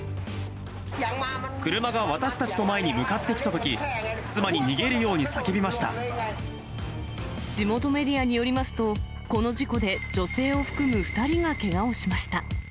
車が私たちの前に向かってきたとき、妻に逃げるように叫びま地元メディアによりますと、この事故で、女性を含む２人がけがをしました。